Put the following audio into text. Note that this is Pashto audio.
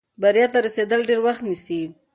بریا ته رسېدل ډېر وخت نیسي.